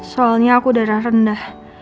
soalnya aku darah rendah